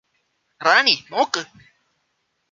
റാണി നോക്ക്